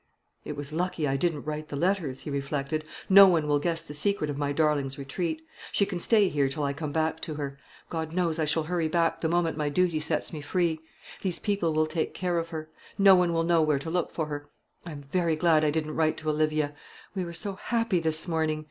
"It was lucky I didn't write the letters," he reflected; "no one will guess the secret of my darling's retreat. She can stay here till I come back to her. God knows I shall hurry back the moment my duty sets me free. These people will take care of her. No one will know where to look for her. I'm very glad I didn't write to Olivia. We were so happy this morning!